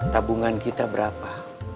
tabungan kita berapa